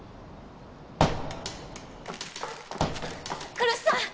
来栖さん！